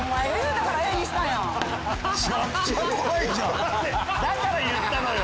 だから言ったのよ！